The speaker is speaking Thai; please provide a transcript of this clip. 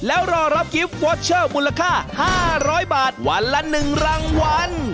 แล้วรอรับกิฟต์วอเชอร์มูลค่า๕๐๐บาทวันละ๑รางวัล